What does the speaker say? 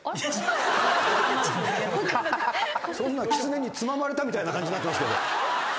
キツネにつままれたみたいな感じになってますけど。